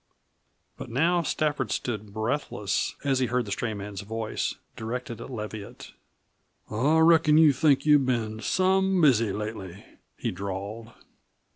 But now Stafford stood breathless as he heard the stray man's voice, directed at Leviatt. "I reckon you think you've been some busy lately," he drawled.